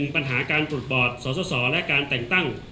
๑ปัญหาการปลดบอดสอสอและการแต่งตั้ง